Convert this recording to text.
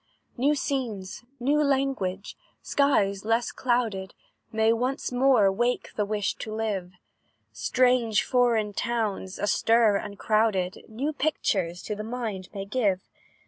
"New scenes, new language, skies less clouded, May once more wake the wish to live; Strange, foreign towns, astir, and crowded, New pictures to the mind may give.